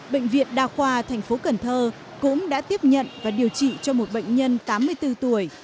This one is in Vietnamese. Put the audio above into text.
bệnh viện đa khoa thành phố cần thơ cũng đã tiếp nhận và điều trị cho một bệnh nhân tám mươi bốn tuổi